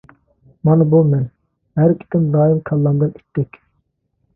مانا بۇ مەن، ھەرىكىتىم دائىم كاللامدىن ئىتتىك!